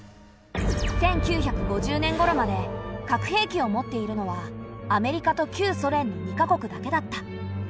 １９５０年ごろまで核兵器を持っているのはアメリカと旧ソ連の２か国だけだった。